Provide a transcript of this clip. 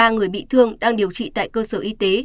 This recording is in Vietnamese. ba người bị thương đang điều trị tại cơ sở y tế